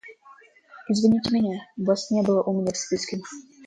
Извините меня, Вас не было у меня в списке.